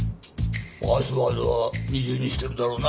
パスワードは二重にしてるだろうな？